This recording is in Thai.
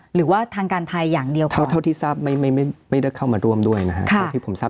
หรือว่าทางการไทยอย่างเดียวค่ะ